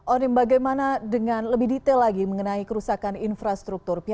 onim bagaimana dengan lebih detail lagi mengenai kerusakan infrastruktur